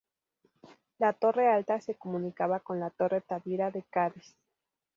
La Torre Alta se comunicaba con la Torre Tavira de Cádiz.